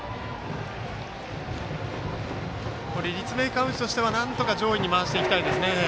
立命館宇治としては、なんとか上位に回していきたいですね。